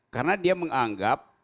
karena dia menganggap